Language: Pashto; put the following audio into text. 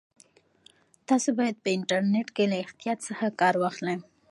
تاسو باید په انټرنیټ کې له احتیاط څخه کار واخلئ.